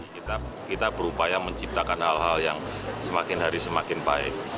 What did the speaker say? kita berupaya menciptakan hal hal yang semakin hari semakin baik